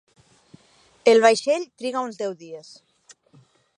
El vaixell triga uns deu dies.